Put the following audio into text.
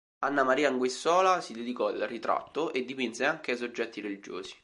Anna Maria Anguissola si dedicò al ritratto e dipinse anche soggetti religiosi.